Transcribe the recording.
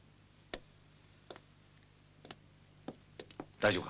大丈夫か？